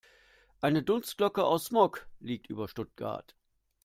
Eine Dunstglocke aus Smog liegt über Stuttgart.